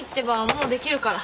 もうできるから。